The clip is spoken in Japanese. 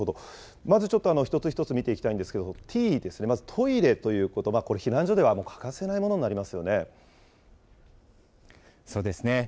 まずちょっと一つ一つ見ていきたいんですけど、Ｔですね、まずトイレということが、これ、避難所では欠かせないものそうですね。